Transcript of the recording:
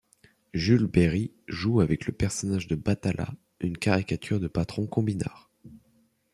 Jules Berry joue avec le personnage de Batala une caricature de patron combinard.